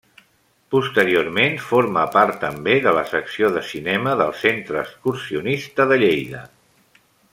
Posteriorment forma part, també, de la secció de cinema del Centre Excursionista de Lleida.